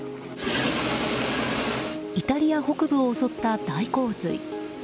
イタリア北部を襲った大洪水。